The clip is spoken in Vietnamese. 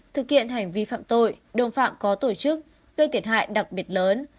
thực hiện hành vi phạm tội đồng phạm có tổ chức gây thiệt hại đặc biệt lớn